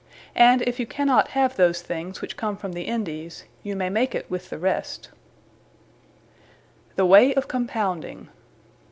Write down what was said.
And if you cannot have those things, which come from the Indies, you may make it with the rest. [G] Chiles _The way of Compounding.